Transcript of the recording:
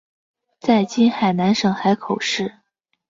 在今海南省海口市。